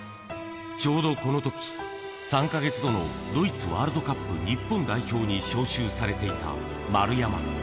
ちょうどこのとき、３か月後のドイツワールドカップ日本代表に招集されていた丸山。